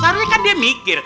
seharusnya kan dia mikir